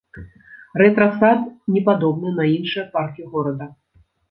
Рэтра-сад не падобны на іншыя паркі горада.